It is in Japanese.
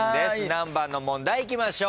何番の問題いきましょう？